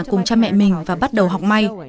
cùng cha mẹ mình và bắt đầu học may